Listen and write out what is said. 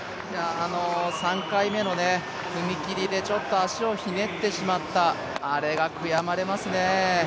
３回目の踏み切りでちょっと足をひねってしまった、あれが悔やまれますね。